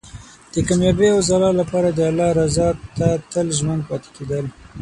د کامیابۍ او ځلا لپاره د الله رضا ته تل ژمن پاتې کېدل.